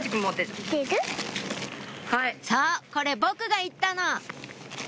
「そうこれ僕が言ったの」